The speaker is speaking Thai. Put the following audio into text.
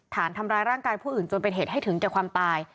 ฐานทำร้ายร่างกายผู้อื่นจนเป็นเหตุให้ถึงแก่ความตาย